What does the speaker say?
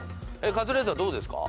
カズレーザーどうですか？